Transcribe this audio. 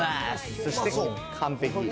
そして完璧。